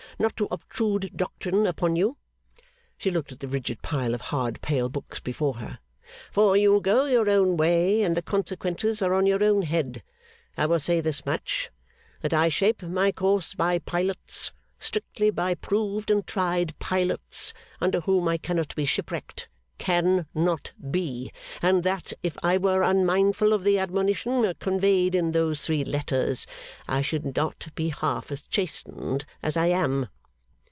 Not to obtrude doctrine upon you,' she looked at the rigid pile of hard pale books before her, '(for you go your own way, and the consequences are on your own head), I will say this much: that I shape my course by pilots, strictly by proved and tried pilots, under whom I cannot be shipwrecked can not be and that if I were unmindful of the admonition conveyed in those three letters, I should not be half as chastened as I am.